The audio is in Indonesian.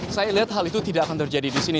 saya lihat hal itu tidak akan terjadi di sini